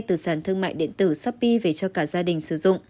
từ sàn thương mại điện tử shopee về cho cả gia đình sử dụng